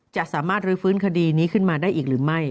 จะสามารถรื้อฟื้นคดีนี้ขึ้นมาได้อีกหรือไม่